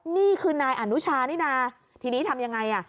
นี่คือนายอนุชานี่นะทีนี้ทำยังไงอ่ะ